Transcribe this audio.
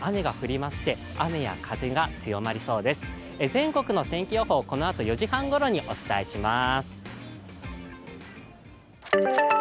全国の天気予報、このあと４時半ごろにお伝えします。